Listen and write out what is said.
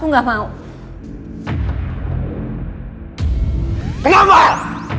enggak aku nggak mau